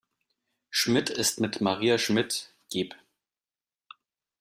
Schmidt ist mit Maria Schmidt geb.